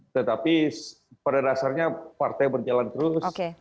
tetapi pada dasarnya partai berjalan terus